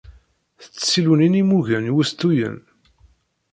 S tsilunin i mmugen wustuyen.